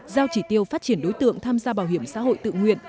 giao chỉ tiêu phát triển đối tượng tham gia bảo hiểm xã hội tự nguyện